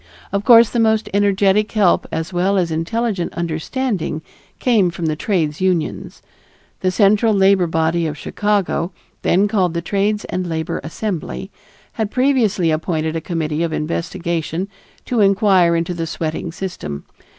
Of course the most energetic help as well as intelligent understanding came from the trades unions. The central labor body of Chicago, then called the Trades and Labor Assembly, had previously appointed a committee of investigation to inquire into the sweating system.